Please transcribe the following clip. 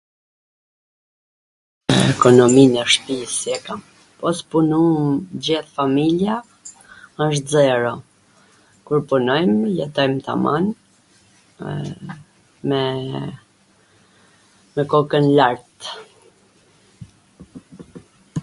ekonomin e shpis si e kam... Po s punun gjith familja, asht xero, kur punojm, jetojm taman, me, me kokwn lart